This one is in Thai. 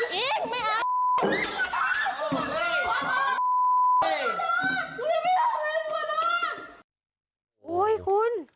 โอ๊ยคุณ